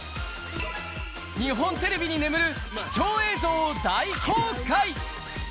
日本テレビに眠る貴重映像を大公開。